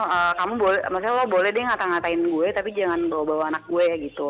oh kamu maksudnya lo boleh deh ngata ngatain gue tapi jangan bawa bawa anak gue gitu